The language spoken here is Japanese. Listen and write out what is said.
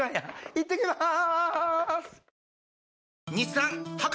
いってきます！